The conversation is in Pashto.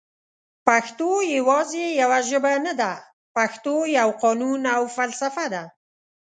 پښتو یواځي یوه ژبه نده پښتو یو قانون او فلسفه ده